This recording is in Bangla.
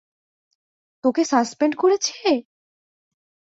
তোকে সাসপেন্ড করেছে?